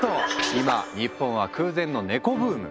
今日本は空前のネコブーム。